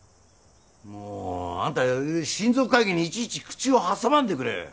もうあんた親族会議にいちいち口を挟まんでくれ。